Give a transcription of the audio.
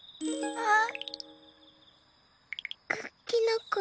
あっ。